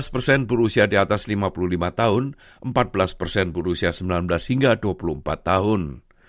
enam belas persen berusia di atas lima puluh lima tahun empat belas persen berusia sembilan belas hingga dua puluh empat tahun